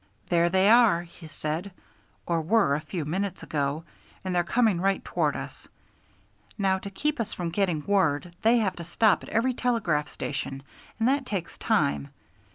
"There they are," he said, "or were a few minutes ago, and they're coming right toward us. Now, to keep us from getting word they have to stop at every telegraph station, and that takes time.